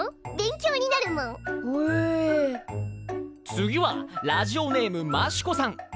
次はラジオネームマシュ子さん。